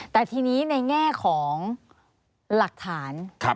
แต่ทีนี้ในแง่ของหลักฐาน